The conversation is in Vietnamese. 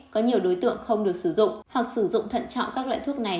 có nhiều đối tượng không được sử dụng hoặc sử dụng thận trọng các loại thuốc này